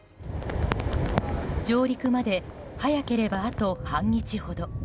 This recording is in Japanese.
上陸まで早ければあと半日ほど。